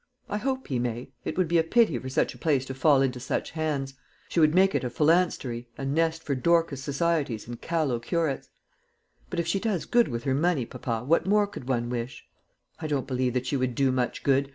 "I hope he may. It would be a pity for such a place to fall into such hands. She would make it a phalanstery, a nest for Dorcas societies and callow curates." "But if she does good with her money, papa, what more could one wish?" "I don't believe that she would do much good.